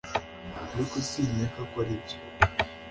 ariko sinkeka ko aribyo